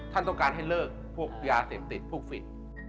ท่านต้องการให้เลิกพวกยาเสพติดพวกฝี